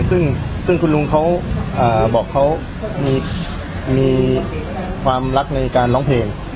ซึ่งคุณลุงเขาบอกเขามีความรักในการร้องเพลง